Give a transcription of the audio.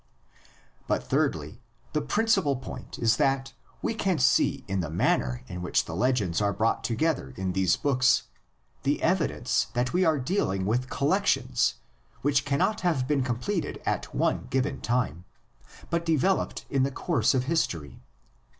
But thirdly, the principal point is that we can see in the manner in which the legends are brought together in these books the evidence that we are dealing with collections which cannot have been completed at one given time, but developed in the course of history.